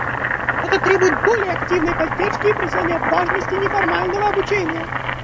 Это требует более активной поддержки и признания важности неформального обучения.